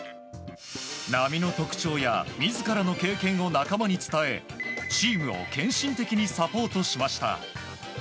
波の特徴や自らの経験を仲間に伝えチームを献身的にサポートしました。